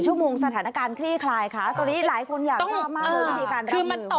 ี่งเมื่อกลับละอันนี้หลายคนอยากชอบด้วยวิธีการรับมือของเขา